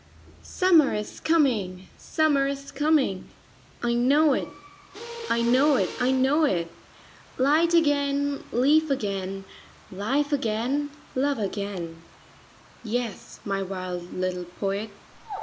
" Summer is coming , summer is coming! I know it ,/ know it ,/ it. Light again ,/^^/' again ,///£ again , again!' Yes, my wild little poet.